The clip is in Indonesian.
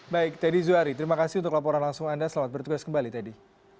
baik teddy zuhari terima kasih untuk laporan langsung anda selamat bertugas kembali teddy